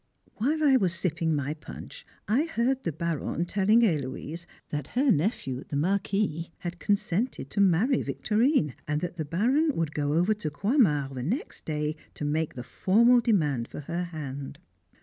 While I was sipping my punch, I heard the Baronne telling Héloise that her nephew, the Marquis, had consented to marry Victorine; and that the Baron would go over to Croixmare the next day to make the formal demand for her hand.